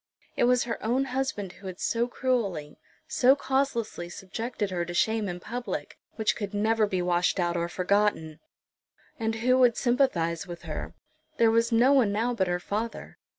It was her own husband who had so cruelly, so causelessly subjected her to shame in public, which could never be washed out or forgotten! And who would sympathise with her? There was no one now but her father.